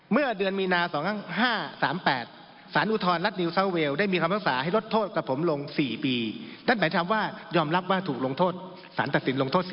ถือว่ามีความเท็จน่ะครับที่ให้การต่อสภาผู้ไทย